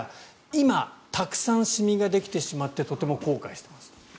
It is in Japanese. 今、たくさんシミができてしまってとても後悔してますと。